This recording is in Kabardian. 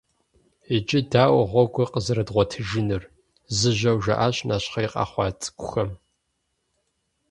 «Иджы дауэ гъуэгур къызэрыдгъуэтыжынур?» - зыжьэу жаӀащ нэщхъей къэхъуа цӀыкӀухэм.